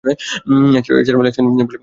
এছাড়াও, leg spin বোলিংয়ে দক্ষ ছিলেন।